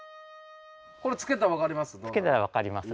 これつけたら分かります？